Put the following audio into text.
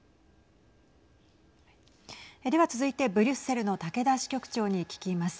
では続いてブリュッセルの竹田支局長に聞きます。